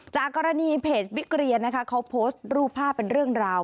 จากกรณีเพจวิกเรียนนะคะเขาโพสต์รูปภาพเป็นเรื่องราว